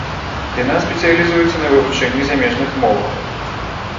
Яна спецыялізуецца на вывучэнні замежных моваў.